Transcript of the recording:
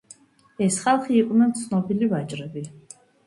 ეს ხალხი იყვნენ ცნობილი ვაჭრები.